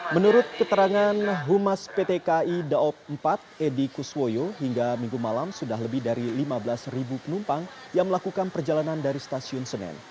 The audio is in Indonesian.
menurut keterangan humas pt kai daob empat edi kuswoyo hingga minggu malam sudah lebih dari lima belas penumpang yang melakukan perjalanan dari stasiun senen